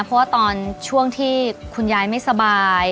เพราะว่าตอนช่วงที่คุณยายไม่สบาย